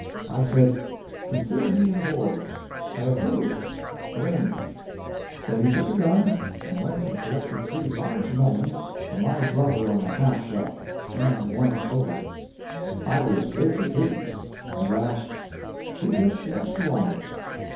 I said, "Consider me the Board ; I approve : arrange." So he took a gun, and went and collected three large melons for my brother on the half shell, and one over. I was greatly pleased, and asked : "Who gets the extra one?"